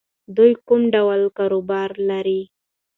دوی کوم ډول کاروبار لري؟